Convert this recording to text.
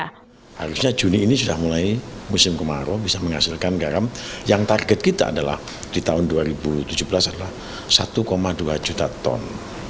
harusnya juni ini sudah mulai musim kemarau bisa menghasilkan garam yang target kita adalah di tahun dua ribu tujuh belas adalah satu dua juta ton